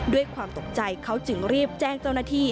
ด้วยความตกใจเขาจึงรีบแจ้งเจ้าหน้าที่